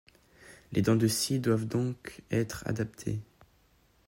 Les dents des scies doivent donc être adaptées.